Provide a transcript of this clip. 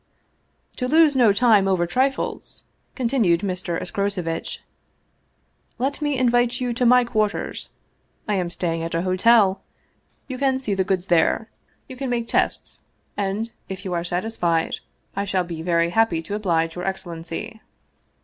" To lose no time over trifles," continued Mr. Escroce vitch, "let me invite you to my quarters. I am staying at a hotel; you can see the goods there; you can make 232 Vsevolod Vladimirovitch Krestovski tests, and, if you are satisfied, I shall be very happy to oblige your excellency."